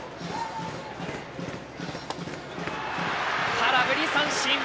空振り三振。